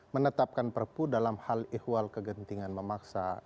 menetapkan perpu dalam hal ihwal kegentingan memaksa